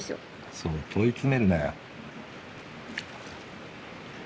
そう問い詰めんなよ。